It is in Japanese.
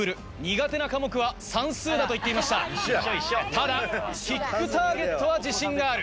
ただキックターゲットは自信がある。